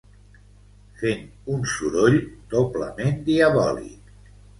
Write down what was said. Fent un soroll doblement diabòlic